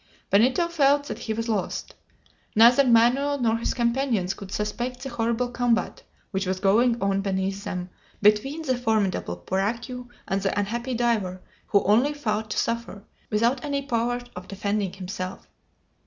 Benito felt that he was lost. Neither Manoel nor his companions could suspect the horrible combat which was going on beneath them between the formidable puraque and the unhappy diver, who only fought to suffer, without any power of defending himself.